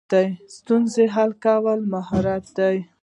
ستونزې حل کول مهارت دی